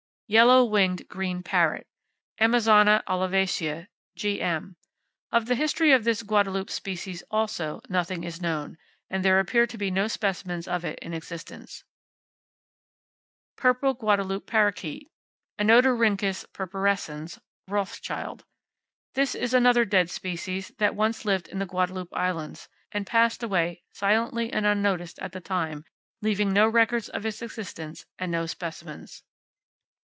Yellow Winged Green Parrot, —Amazona olivacea, (Gm.).—Of the history of this Guadeloupe species, also, nothing is known, and there appear to be no specimens of it in existence. Purple Guadeloupe Parrakeet, —Anodorhynchus purpurescens, (Rothschild).—This is another dead species, that once lived in the Guadeloupe Islands, and passed away silently and unnoticed at the time, leaving no records of its existence, and no specimens.